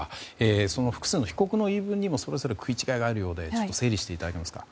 その複数の被告の言い分にもそれぞれ食い違いがあるようで整理していただけますか。